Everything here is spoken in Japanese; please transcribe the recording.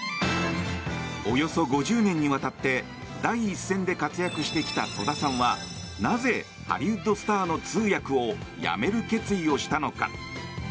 およそ５０年にわたって第一線で活躍してきた戸田さんはなぜハリウッドスターの通訳を辞める決意をしたのか。